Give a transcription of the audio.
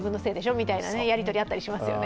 みたいなやりとりあったりしますよね。